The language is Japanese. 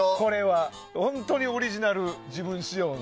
本当にオリジナル、自分仕様の。